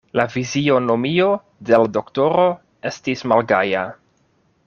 La fizionomio de l' doktoro estis malgaja.